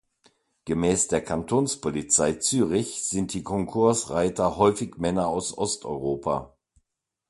Gemäss der Kantonspolizei Zürich sind die Konkursreiter häufig Männer aus Osteuropa.